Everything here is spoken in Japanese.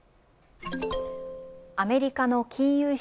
アメリカの金融